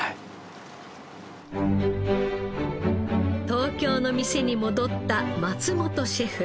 東京の店に戻った松本シェフ。